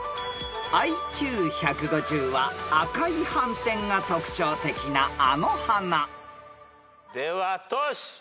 ［ＩＱ１５０は赤い斑点が特徴的なあの花］ではトシ。